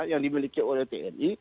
yang dimiliki oleh tni